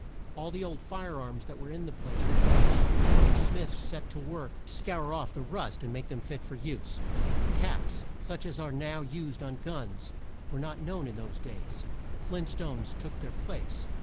All the old fire arms that were in the place were brought out, and smiths set to work to scour off the rust and make them fit to use. Caps, such as are now used on guns, were not known in those days. Flint stones took their place.